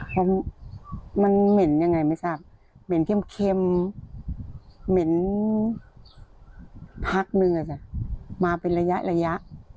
เพราะมันเหม็นยังไงไม่ทราบเหม็นเค็มเหม็นพักนึงมาเป็นระยะ